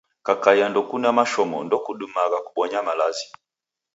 Kakai ndokune mashomo, ndokudumagha kubonya malazi.